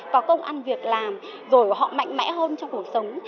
có công ăn việc làm rồi họ mạnh mẽ hơn trong cuộc sống